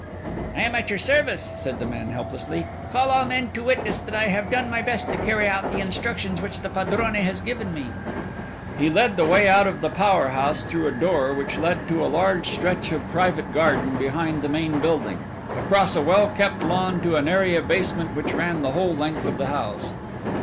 "I am at your service," said the man helplessly. "I call all men to witness that I have done my best to carry out the instructions which the padrone has given me." He led the way out of the power house through a door which led to a large stretch of private garden behind the main building, across a well kept lawn to an area basement which ran the whole length of the house.